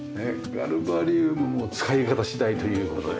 ガルバリウムも使い方次第という事で。